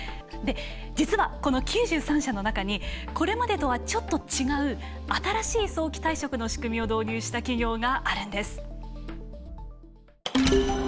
実は、この９３社の中にこれまでとはちょっと違う新しい早期退職の仕組みを導入した企業があるんです。